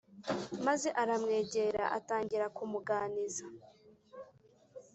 maze aramwegera atangira kumuganiza